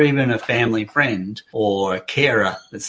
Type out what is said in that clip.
atau penyelamatan yang mencari anak anak anda